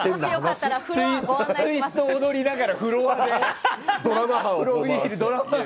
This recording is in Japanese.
ツイスト踊りながらドラマで。